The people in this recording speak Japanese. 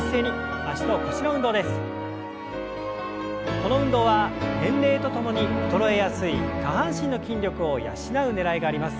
この運動は年齢とともに衰えやすい下半身の筋力を養うねらいがあります。